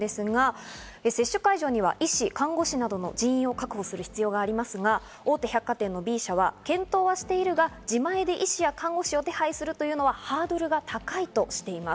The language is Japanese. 接種会場には医師・看護師などの人員を確保する必要がありますが、大手百貨店のＢ社は、検討しているが、自前で医師や看護師を手配するというのはハードルが高いとしています。